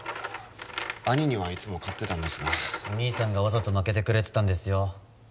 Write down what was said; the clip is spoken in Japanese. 兄にはいつも勝ってたんですがお兄さんがわざと負けてくれてたんですよ